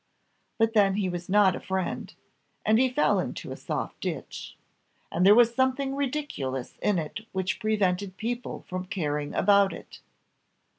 But then he was not a friend; and he fell into a soft ditch: and there was something ridiculous in it which prevented people from caring about it.